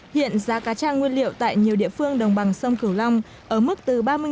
hiện giá cá cha nguyên liệu tại nhiều địa phương đồng bằng sông cửu long ở mức từ ba mươi đồng đến ba mươi đồng